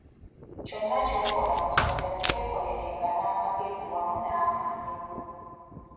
Kyonna ky'okola mu ssomero kyekolerenga n'amagezi wamu n'amaanyi go.